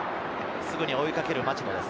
すぐに追い掛ける町野です。